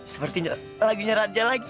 seperti lagunya raja lagi